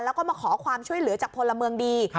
แล้วก็มาขอความช่วยเหลือจากพลเมืองดี